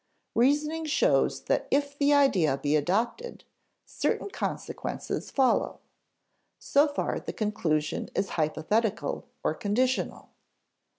Reasoning shows that if the idea be adopted, certain consequences follow. So far the conclusion is hypothetical or conditional.